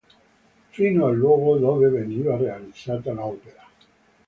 Fino al luogo dove veniva realizzata l'opera.